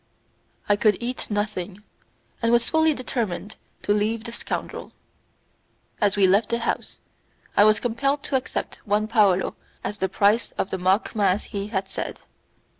I could eat nothing, and was fully determined to leave the scoundrel. As we left the house I was compelled to accept one paolo as the price of the mock mass he had said.